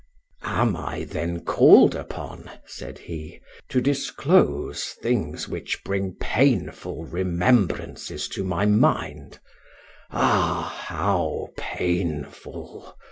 "Am I then called upon," said he, "to disclose things which bring painful remembrances to my mind? Ah! how painful!